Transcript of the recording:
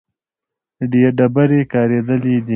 ډبرې کارېدلې دي.